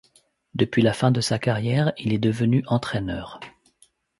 Depuis la fin de sa carrière, il est devenu entraîneur.